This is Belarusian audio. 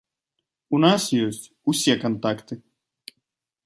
У нас ёсць усе кантакты.